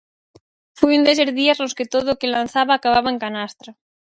Foi un deses días nos que todo o que lanzaba acababa en canastra.